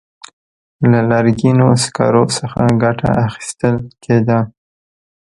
له لرګینو سکرو څخه ګټه اخیستل کېده.